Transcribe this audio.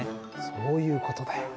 そういう事だよ。